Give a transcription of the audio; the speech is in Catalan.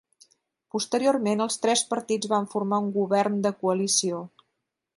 Posteriorment, els tres partits van formar un govern de coalició.